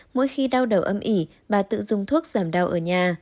mỗi khi đau đầu âm ỉ bà tự dùng thuốc giảm đau ở nhà